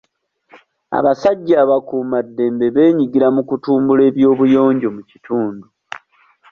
Abasajja abakuumaddembe beenyigira mu kutumbula eby'obuyonjo mu kitundu.